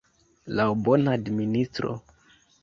Laŭ bona administro.